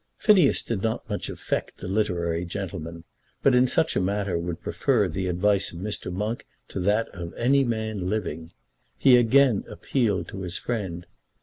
Phineas did not much affect the literary gentleman, but in such a matter would prefer the advice of Mr. Monk to that of any man living. He again appealed to his friend.